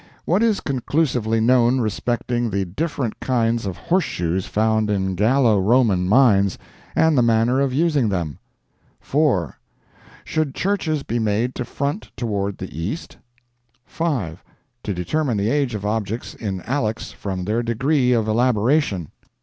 What is conclusively known respecting the different kinds of horseshoes found in Gallo Roman mines, and the manner of using them? "4. Should churches be made to front toward the east? "5. To determine the age of objects in allex from their degree of elaboration."